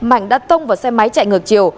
mạnh đã tông vào xe máy chạy ngược chiều